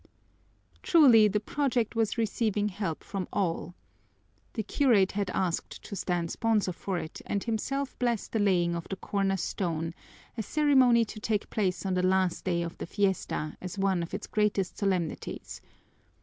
Truly, the project was receiving help from all. The curate had asked to stand sponsor for it and himself bless the laying of the corner stone, a ceremony to take place on the last day of the fiesta as one of its greatest solemnities.